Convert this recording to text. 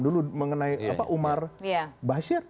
dulu mengenai umar bashir